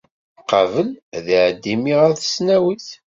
Qabel, ad iɛeddi mmi ɣer tesnawit.